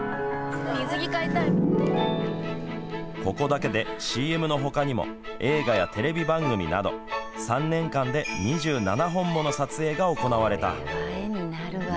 ここだけでＣＭのほかにも映画やテレビ番組など３年間で２７本もの撮影が行われた。